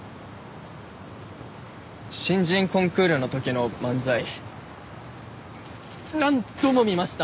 新人コンクールの時の漫才何度も見ました！